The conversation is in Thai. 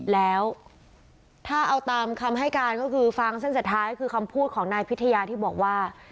แล้วถ้าเอาตามคำให้การก็คือฟังเส้นสุดท้ายคือคำพูดของนายพิทยาที่บอกว่า